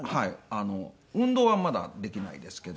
運動はまだできないですけど。